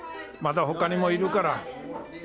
まだ他にもいるから。